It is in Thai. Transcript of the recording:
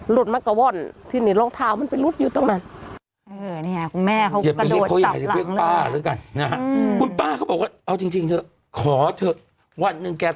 หลดมักกระว่นที่เหนียวรองเท้ามันไปรุดยืนตรงนั้นเออนี่ค่ะ